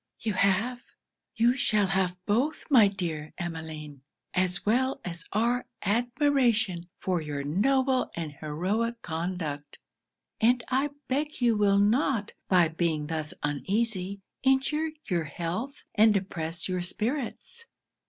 'You have, you shall have both, my dear Emmeline! as well as our admiration for your noble and heroic conduct; and I beg you will not, by being thus uneasy, injure your health and depress your spirits.'